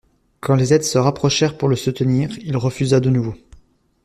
Quand les aides se rapprochèrent pour le soutenir, il refusa de nouveau.